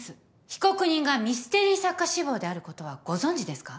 被告人がミステリー作家志望であることはご存じですか？